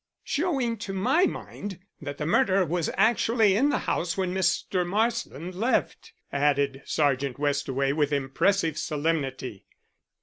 "Showing, to my mind, that the murderer was actually in the house when Mr. Marsland left," added Sergeant Westaway, with impressive solemnity.